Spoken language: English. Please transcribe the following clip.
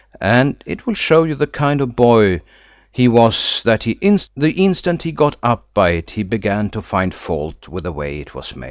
And it will show you the kind of boy he was that the instant he got up by it he began to find fault with the way it was made.